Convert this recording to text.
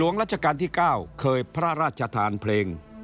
หลวงรัชกาลที่๙เคยพระราชธานเพลง